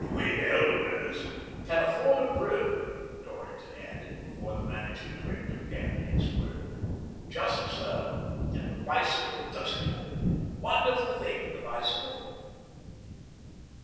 We elders "" Can afford a brougham," Dorrington added, before the managing director began the next word. "Just so — and the bicycle does it all; wonderful thing the bicycle